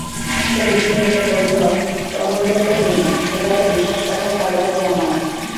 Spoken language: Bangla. সন্দীপ হেসে বললে, অমূল্য তো নেই, এবারে বিশেষ কথার পালা যে আমার।